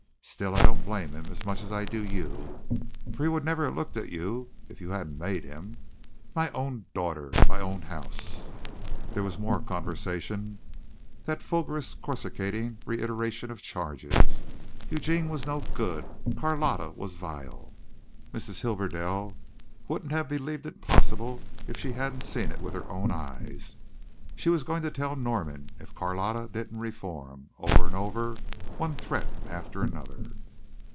Still I don't blame him as much as I do you, for he would never have looked at you if you hadn't made him. My own daughter! My own house! Tch! Tch! Tch!" There was more conversation that fulgurous, coruscating reiteration of charges. Eugene was no good. Carlotta was vile. Mrs. Hibberdell wouldn't have believed it possible if she hadn't seen it with her own eyes. She was going to tell Norman if Carlotta didn't reform over and over, one threat after another.